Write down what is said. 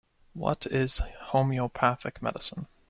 What is homeopathic medicine?